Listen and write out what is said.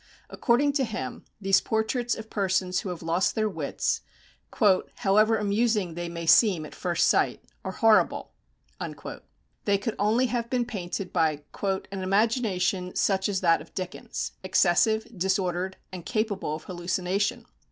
According to him, these portraits of persons who have lost their wits, "however amusing they may seem at first sight," are "horrible." They could only have been painted by "an imagination such as that of Dickens, excessive, disordered, and capable of hallucination."